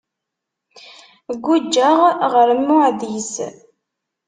Guǧǧeɣ ɣer Muɛdis.